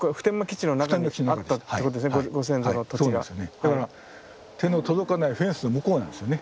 だから手の届かないフェンスの向こうなんですよね。